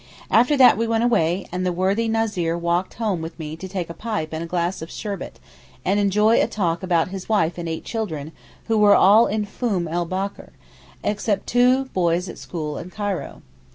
After that we went away, and the worthy Názir walked home with me to take a pipe and a glass of sherbet, and enjoy a talk about his wife and eight children, who are all in Foum el Bachr', except two boys at school in Cairo.